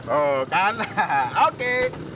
oh kan oke